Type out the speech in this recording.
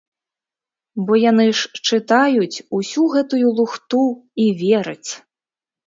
Бо яны ж чытаюць усю гэтую лухту і вераць.